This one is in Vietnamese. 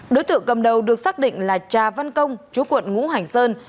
đối tượng cầm đầu được xác định là trà văn công chú quận ngũ hành sơn